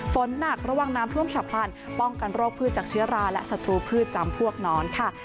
ฝนหนักระหว่างน้ำพร่วมฉะพรรณป้องกันโรคพืชจักรเชื้อราและสัตว์พืชจำพวกน้อนค่ะ